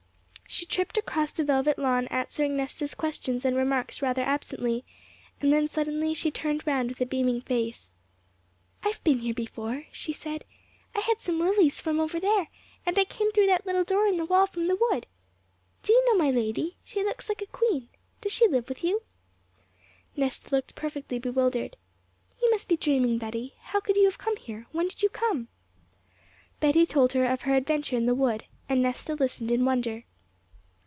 She tripped across the velvet lawn, answering Nesta's questions and remarks rather absently, and then suddenly she turned round with a beaming face. 'I've been here before,' she said; 'I had some lilies from over there, and I came through that little door in the wall from the wood. Do you know my lady? She looks like a queen. Does she live with you?' Nesta looked perfectly bewildered. 'You must be dreaming, Betty. How could you have come here? When did you come?' Betty told her of her adventure in the wood, and Nesta listened in wonder.